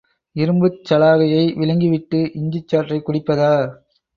இரும்புச் சலாகையை விழுங்கிவிட்டு இஞ்சிச் சாற்றைக் குடிப்பதா?